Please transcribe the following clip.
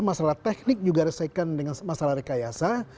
masalah teknik juga diselesaikan dengan masalah rekayasa